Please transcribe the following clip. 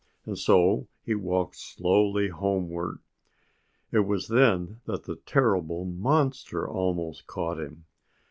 And so he walked slowly homewards. It was then that the terrible monster almost caught him.